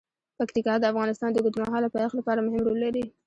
پکتیکا د افغانستان د اوږدمهاله پایښت لپاره مهم رول لري.